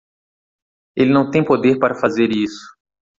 Ele não tem poder para fazer isso